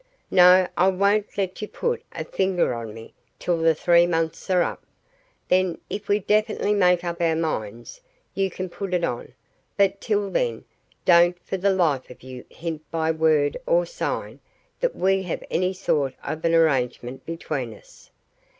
"No; I won't let you put a finger on me till the three months are up. Then, if we definitely make up our minds, you can put it on; but till then, don't for the life of you hint by word or sign that we have any sort of an arrangement between us.